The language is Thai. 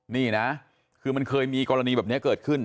นี่นะคือมันเคยมีกรณีแบบนี้เกิดขึ้น